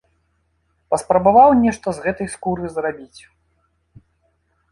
Паспрабаваў нешта з гэтай скуры зрабіць.